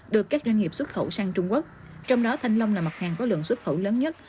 được các doanh nghiệp xuất khẩu sang trung quốc trong đó thanh long là mặt hàng có lượng xuất khẩu lớn nhất